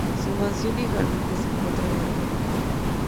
Su mansión y jardines se encuentran en ruinas.